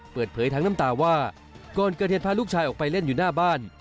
เปิดเผยทั้งน้ำตาว่าก่อนเกิดเหตุพาลูกชายออกไปเล่นอยู่หน้าบ้าน